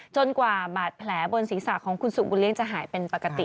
กว่าบาดแผลบนศีรษะของคุณสุบุญเลี้ยจะหายเป็นปกติ